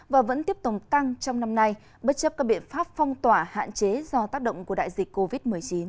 và vẫn tiếp tục tăng trong năm nay bất chấp các biện pháp phong tỏa hạn chế do tác động của đại dịch covid một mươi chín